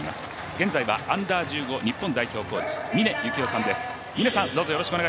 現在はＵ−１５日本代表コーチ、峰幸代さんです。